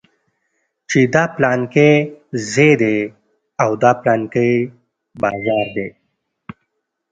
چې دا پلانکى ځاى دى دا پلانکى بازار دى.